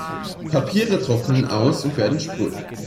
Papiere trocknen aus und werden spröde.